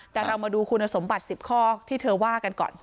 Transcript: แต่เรามาดูคุณสมบัติ๑๐ข้อที่เธอว่ากันก่อน